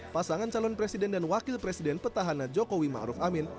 pasangan calon presiden dan wakil presiden petahana jokowi ma'ruf amin